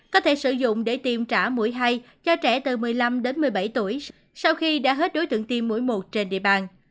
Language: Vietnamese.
có thể sử dụng để tiêm trả mũi hai cho trẻ từ một mươi năm đến một mươi bảy tuổi sau khi đã hết đối tượng tiêm mũi một trên địa bàn